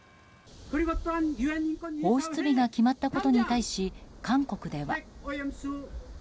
放出日が決まったことに対し韓国では。